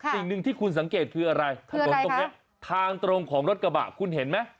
สิ่งนึงที่คุณสังเกตคืออะไรทางตรงของรถกระบะคุณเห็นมั้ย